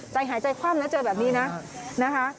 ใจหายใจข้ำแล้วเจอแบบนี้นะคะ